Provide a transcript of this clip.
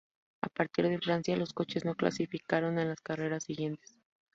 A partir de Francia los coches no clasificaron a las carreras siguientes.